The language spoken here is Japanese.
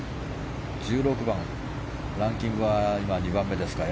１６番、ランキングは今、２番目ですか。